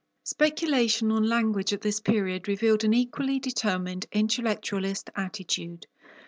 Speculation on language at this period revealed an equally determined intellectualist attitude.